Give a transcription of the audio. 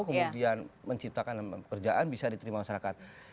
kemudian menciptakan pekerjaan bisa diterima masyarakat